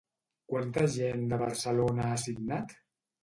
Quanta gent de Barcelona ha signat?